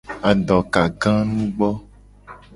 Adokaganugbo.